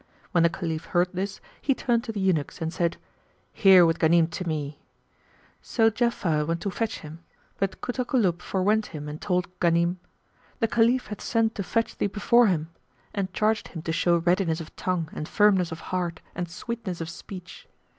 When the Caliph heard this, he turned to the eunuchs and said, "Here with Ghanim to me." So Ja'afar went to fetch him; but Kut al Kulub forewent him and told Ghanim, "The Caliph hath sent to fetch thee before him," and charged him to show readiness of tongue and firmness of heart and sweetness of speech.